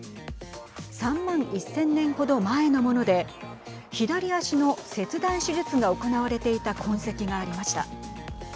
３万１０００年程前のもので左足の切断手術が行われていた痕跡がありました。